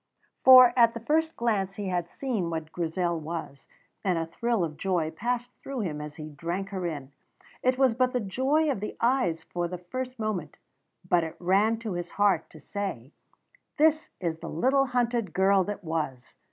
For at the first glance he had seen what Grizel was, and a thrill of joy passed through him as he drank her in; it was but the joy of the eyes for the first moment, but it ran to his heart to say, "This is the little hunted girl that was!"